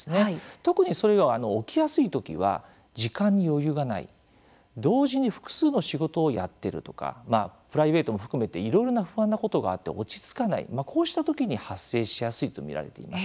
特に起きやすい時は時間に余裕がない、同時に複数の仕事をやっているとかプライベートも含めていろいろな不安なことがあって落ち着かない、こうした時に発生しやすいと見られています。